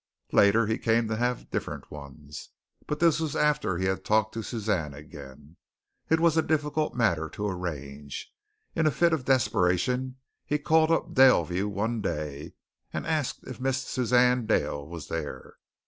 Later, he came to have different ones, but this was after he had talked to Suzanne again. It was a difficult matter to arrange. In a fit of desperation he called up Daleview one day, and asked if Miss Suzanne Dale was there.